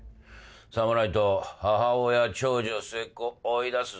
さもないと母親長女末っ子追い出すぞ。